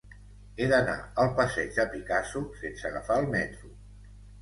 He d'anar al passeig de Picasso sense agafar el metro.